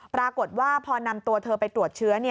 ปรากฏว่าพอนำตัวเธอไปตรวจเชื้อ